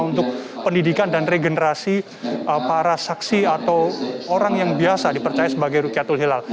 untuk pendidikan dan regenerasi para saksi atau orang yang biasa dipercaya sebagai rukiatul hilal